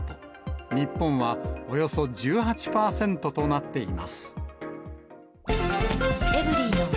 日本はおよそ１８％となっています。